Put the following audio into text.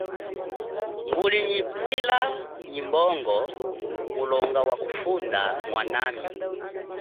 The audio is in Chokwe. Nguli nyi pwila nyi mbongo mulonga wakufunda mwanami.